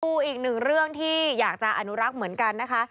อีกหนึ่งเรื่องที่อยากจะอนุรักษ์เหมือนกันนะคะ